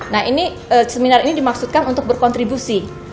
nah ini seminar ini dimaksudkan untuk berkontribusi